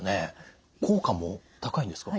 効果も高いんですか？